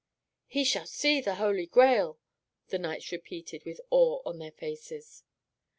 "He shall see the Holy Grail," the knights repeated, with awe on their faces.